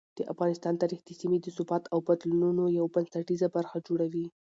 د افغانستان تاریخ د سیمې د ثبات او بدلونونو یو بنسټیزه برخه جوړوي.